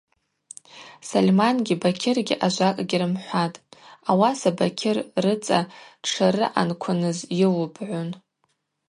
Сольмангьи Бакьыргьи ажвакӏ гьрымхӏватӏ, ауаса Бакьыр рыцӏа дшарыъанквыныз йылубгӏун.